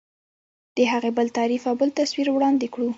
د هغې بل تعریف او بل تصویر وړاندې کړو.